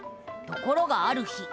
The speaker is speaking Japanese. ところがある日。